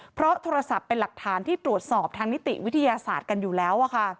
เพราะโทรศัพท์เป็นหลักฐานที่ตรวจสอบทางนิติวิทยาศาสตร์กันอยู่แล้ว